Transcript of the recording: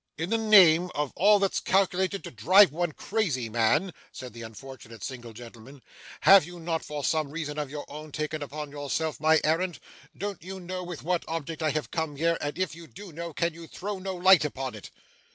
'In the name of all that's calculated to drive one crazy, man,' said the unfortunate single gentleman, 'have you not, for some reason of your own, taken upon yourself my errand? don't you know with what object I have come here, and if you do know, can you throw no light upon it?